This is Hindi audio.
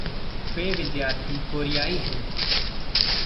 वे विद्यार्थी कोरियाई हैं।